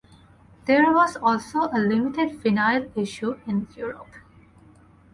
There was also a limited vinyl issue in Europe.